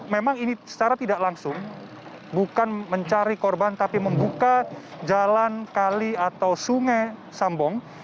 memang ini secara tidak langsung bukan mencari korban tapi membuka jalan kali atau sungai sambong